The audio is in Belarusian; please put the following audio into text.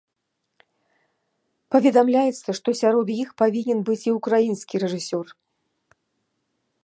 Паведамляецца, што сярод іх павінен быць і ўкраінскі рэжысёр.